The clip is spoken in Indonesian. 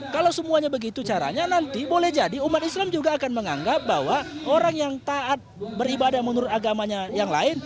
kalau semuanya begitu caranya nanti boleh jadi umat islam juga akan menganggap bahwa orang yang taat beribadah menurut agamanya yang lain